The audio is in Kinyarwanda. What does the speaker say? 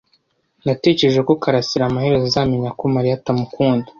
Natekereje ko Kalasira amaherezo azamenya ko Mariya atamukunda.